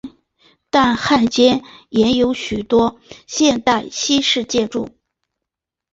但汉街也有很多现代西式的建筑。